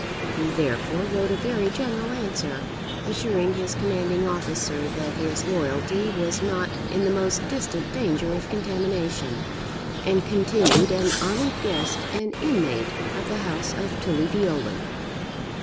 He therefore wrote a very general answer, assuring his commanding officer that his loyalty was not in the most distant danger of contamination, and continued an honoured guest and inmate of the house of Tully Veolan.